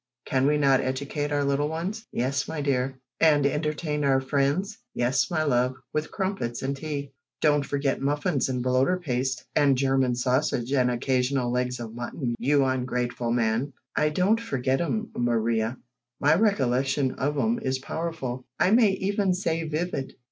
Can we not educate our little ones?" "Yes, my dear." "And entertain our friends?" "Yes, my love, with crumpets and tea." "Don't forget muffins and bloater paste, and German sausage and occasional legs of mutton, you ungrateful man!" "I don't forget 'em, Mariar. My recollection of 'em is powerful; I may even say vivid."